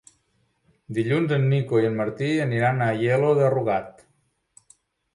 Dilluns en Nico i en Martí aniran a Aielo de Rugat.